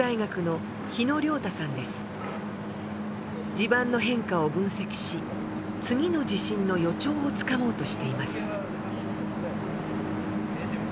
地盤の変化を分析し次の地震の予兆をつかもうとしています。